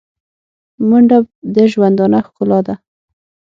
منډه د ژوندانه ښکلا ده